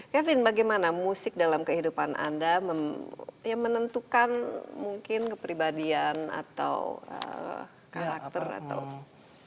kevin bagaimana musik dalam kehidupan anda yang menentukan mungkin kepribadian atau karakter atau